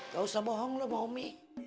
gak usah bohong lu sama umi